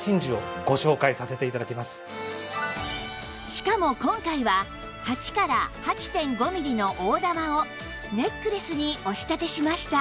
しかも今回は８から ８．５ ミリの大珠をネックレスにお仕立てしました